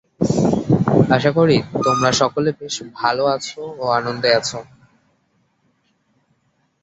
আশা করি, তোমরা সকলে বেশ ভাল আছ ও আনন্দে আছ।